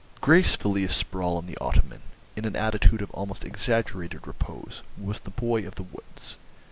Gracefully asprawl on the ottoman, in an attitude of almost exaggerated repose, was the boy of the woods.